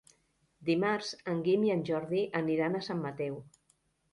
Dimarts en Guim i en Jordi aniran a Sant Mateu.